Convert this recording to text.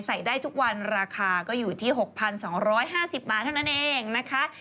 ใส่ได้ทุกวันราคาก็อยู่ที่๖๒๕๐บาทเท่านั้นเองนะคะ